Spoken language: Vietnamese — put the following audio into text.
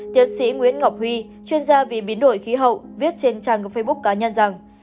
tiến sĩ nguyễn ngọc huy chuyên gia vì biến đổi khí hậu viết trên trang facebook cá nhân rằng